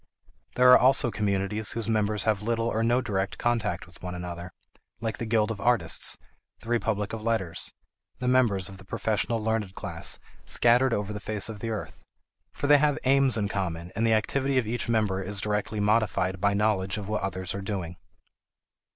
There are also communities whose members have little or no direct contact with one another, like the guild of artists, the republic of letters, the members of the professional learned class scattered over the face of the earth. For they have aims in common, and the activity of each member is directly modified by knowledge of what others are doing.